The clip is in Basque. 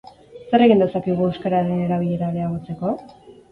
Zer egin dezakegu euskararen erabilera areagotzeko?